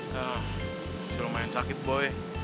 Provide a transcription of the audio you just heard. ya masih lumayan sakit boy